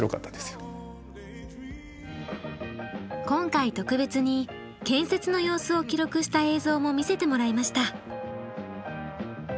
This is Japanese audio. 今回特別に建設の様子を記録した映像も見せてもらいました。